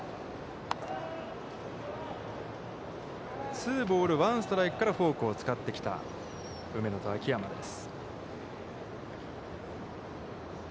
ツーボール、ワンストライクからフォークを使ってきた梅野と秋山です。